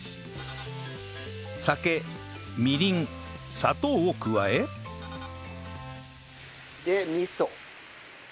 酒みりん砂糖を加えで味噌。